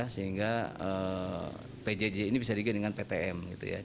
sehingga pjj ini bisa digunakan ptm